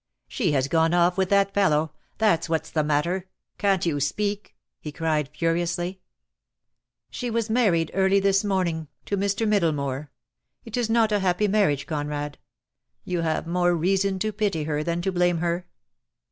"She has gone off with that fellow? That's what's the matter. Can't you speak?" he cried furiously. "She was married early this morning — to Mr. Middlemore. It is not a happy marriage, Conrad. You have more reason to pity her than to blame her."